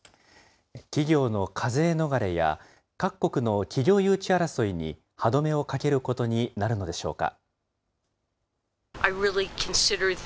企業の課税逃れや、各国の企業誘致争いに歯止めをかけることになるのでしょうか。